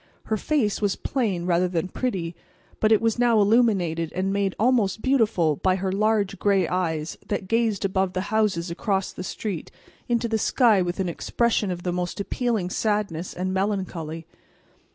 Her face was plain rather than pretty, but it was now illuminated and made almost beautiful by her large gray eyes that gazed above the houses across the street into the sky with an expression of the most appealing sadness and melancholy.